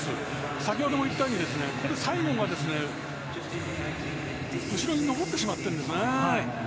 先ほども言ったように最後が後ろに残ってしまっているんですね。